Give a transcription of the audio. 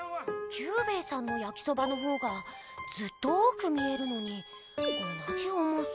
キュウベイさんのやきそばの方がずっと多く見えるのに同じ重さ。